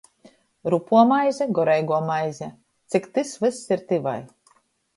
Rupuo maize, goreiguo maize — cik tys vyss ir tyvai.